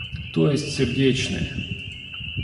То есть, сердечные?